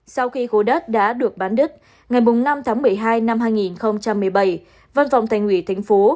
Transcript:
sau khi khối đất đã được bán đất ngày năm tháng một mươi hai năm hai nghìn một mươi bảy văn phòng thành ủy thành phố